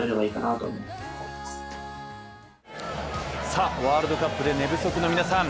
さあ、ワールドカップで寝不足の皆さん